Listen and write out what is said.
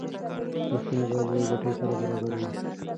لګښتونه باید له ګټې سره برابر وي.